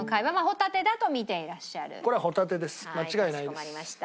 かしこまりました。